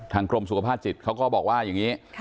กรมสุขภาพจิตเขาก็บอกว่าอย่างนี้